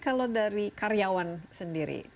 kalau dari karyawan sendiri